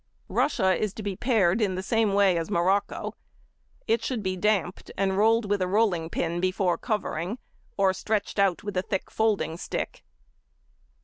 Russia is to be pared in the same way as morocco. It should be damped, and rolled with a rolling pin before covering, or stretched out with a thick folding stick.